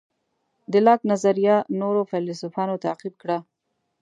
د لاک نظریه نورو فیلیسوفانو تعقیب کړه.